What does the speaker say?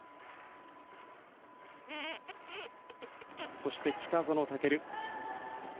そして、北園丈琉。